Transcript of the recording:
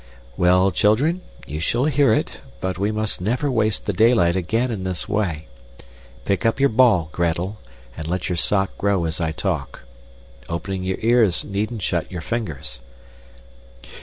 "Well, children, you shall hear it, but we must never waste the daylight again in this way. Pick up your ball, Gretel, and let your sock grow as I talk. Opening your ears needn't shut your fingers.